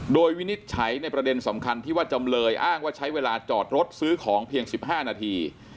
โดยวินิจฉัยในประเด็นสำคัญที่ว่าจำเลยอ้างว่าใช้เวลาจอดรถซื้อของเพียง๑๕นาที